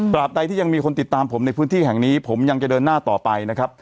ใดที่ยังมีคนติดตามผมในพื้นที่แห่งนี้ผมยังจะเดินหน้าต่อไปนะครับ